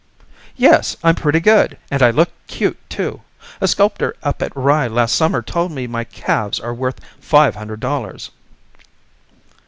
"Yes, I'm pretty good. And I look cute too. A sculptor up at Rye last summer told me my calves are worth five hundred dollars."